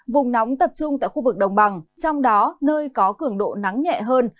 vùng nóng tập trung tại khu vực đồng bằng trong đó nơi có cường độ nắng nhẹ hơn